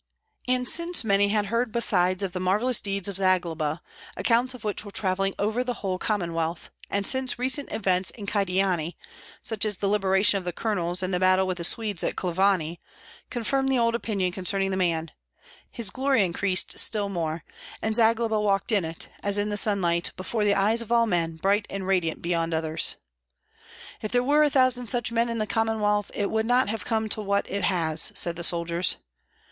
And since many had heard besides of the marvellous deeds of Zagloba, accounts of which were travelling over the whole Commonwealth, and since recent events in Kyedani, such as the liberation of the colonels, and the battle with the Swedes at Klavany, confirmed the old opinion concerning the man, his glory increased still more; and Zagloba walked in it, as in the sunlight, before the eyes of all men, bright and radiant beyond others. "If there were a thousand such men in the Commonwealth, it would not have come to what it has!" said the soldiers.